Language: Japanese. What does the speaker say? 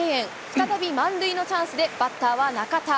再び満塁のチャンスで、バッターは中田。